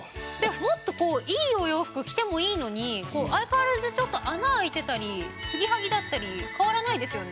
もっとこういいお洋服着てもいいのに相変わらずちょっと穴開いてたり継ぎはぎだったり変わらないですよね。